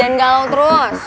jangan galau terus